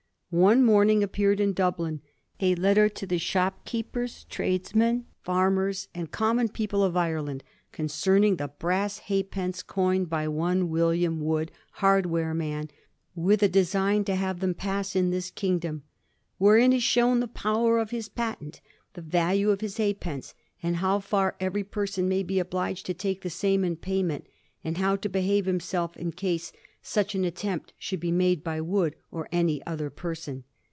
One morning appeared in Dublin *A letter to the shop keepers, tradesmen, farmers, and Digiti zed by Google 318 A HISTORY OF THE POUR GEORGES. ch. xy. common people of Ireland, concerning the brass half pence coined by one William Wood, hardwareman, with a design to have them pass in this kingdom ; wherein is shown the power of his patent, the value of his halfpence, and how far every person may be obliged to take the same in payments ; and how to behave himself in case such an attempt should be made by Wood or any other person.'